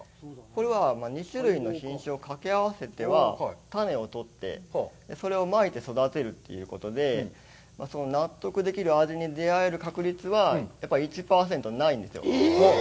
これは、２種類の品種をかけ合わせては種を取って、それをまいて、育てるということで、納得できる味に出会える確率はやっぱり１％ないんですよ。